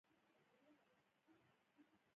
نو په پیل کې سمبولیکې مبارزې باید ډیرې شدیدې نه وي.